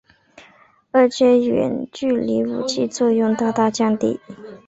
而且远距离武器作用大大降低。